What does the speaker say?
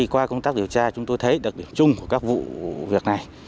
qua công tác điều tra chúng tôi thấy đặc điểm chung của các vụ việc này